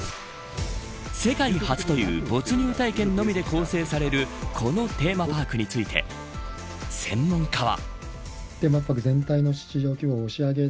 世界初という没入体験のみで構成されるこのテーマパークについて専門家は。